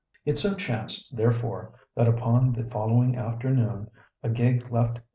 It so chanced, therefore, that, upon the following afternoon, a gig left H.